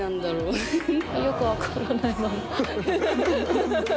よく分からない。